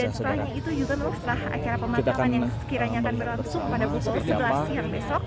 dan setelah itu juga memang setelah acara pemakaman yang sekiranya akan berlangsung pada pukul sebelas siang besok